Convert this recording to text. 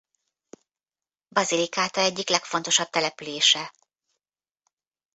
Basilicata egyik legfontosabb települése.